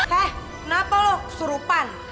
hah kenapa lo surupan